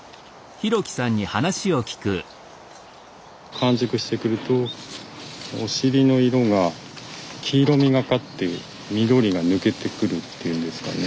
完熟してくるとお尻の色が黄色みがかって緑が抜けてくるっていうんですかね。